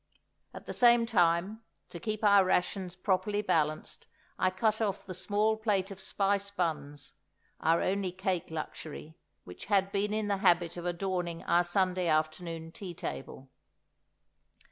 (At the same time, to keep our rations properly balanced I cut off the small plate of spice buns, our only cake luxury, which had been in the habit of adorning our Sunday afternoon tea table.)